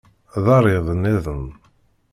D arid-nniḍen.